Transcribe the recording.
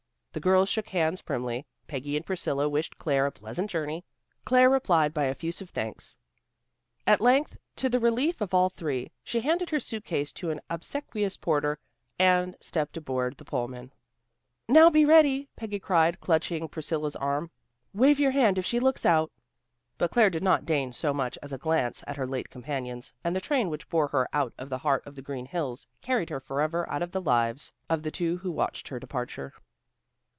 The girls shook hands primly. Peggy and Priscilla wished Claire a pleasant journey. Claire replied by effusive thanks. At length, to the relief of all three, she handed her suitcase to an obsequious porter and stepped aboard the Pullman. "Now be ready," Peggy cried, clutching Priscilla's arm. "Wave your hand if she looks out." But Claire did not deign so much as a glance at her late companions, and the train which bore her out of the heart of the green hills, carried her forever out of the lives of the two who watched her departure.